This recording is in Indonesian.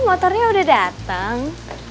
oh motornya udah dateng